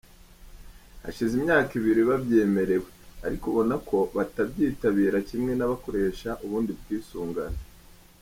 Hashize imyaka ibiri babyemerewe, ariko ubona ko batabyitabira kimwe n’abakoresha ubundi bwisungane.